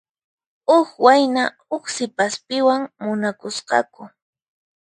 Huk wayna huk sipaspiwan munakusqaku.